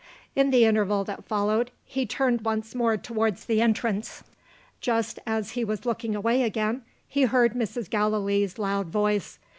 In the interval that followed, he turned once more towards the entrance. Just as he was looking away again, he heard Mrs. Gallilee's loud voice.